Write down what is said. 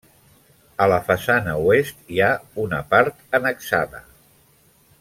A la façana oest, hi ha una part annexada.